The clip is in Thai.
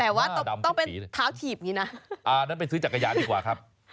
แต่ว่าต้องเป็นเท้าถีบอย่างนี้นะอ่างั้นไปซื้อจักรยานดีกว่าครับ